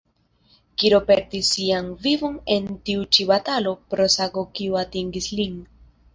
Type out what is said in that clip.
Kiro perdis sian vivon en tiu ĉi batalo pro sago kiu atingis lin.